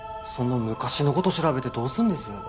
そんな昔のことを調べてどすんです？